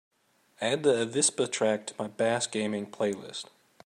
Add the avispa track to my Bass Gaming playlist.